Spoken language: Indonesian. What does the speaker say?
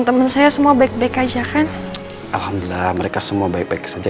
tak ada yo